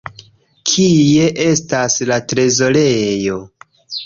Kie estas la trezorejo?